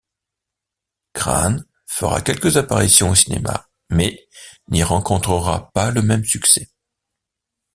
Crane fera quelques apparitions au cinéma mais n'y rencontrera pas le même succès.